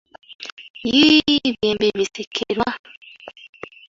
Yiiii byembi bisekerwa!